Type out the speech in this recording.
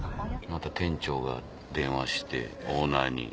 また店長が電話してオーナーに。